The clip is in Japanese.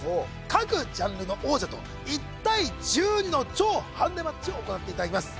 各ジャンルの王者と１対１２の超ハンデマッチを行っていただきます